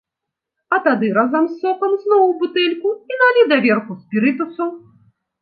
А тады, разам з сокам, зноў у бутэльку і налі даверху спірытусу.